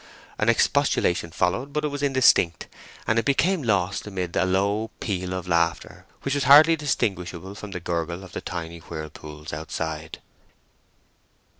An expostulation followed, but it was indistinct; and it became lost amid a low peal of laughter, which was hardly distinguishable from the gurgle of the tiny whirlpools outside.